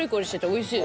おいしい。